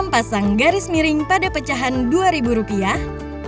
pasang garis miring pada pecahan dua ribu rupiah